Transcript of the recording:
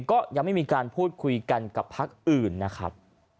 ก็ยังไม่มีการพูดคุยกันกับพักอื่นนะครับ